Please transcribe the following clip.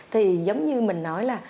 thì giống như mình nói là